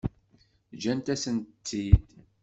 Ǧǧant-asent-tent-id?